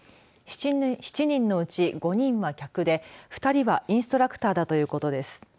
７人のうち５人は客で２人はインストラクターだということです。